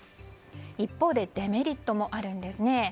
一方でデメリットもあるんですね。